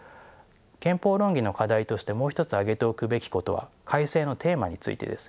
憲法論議の課題としてもう一つ挙げておくべきことは改正のテーマについてです。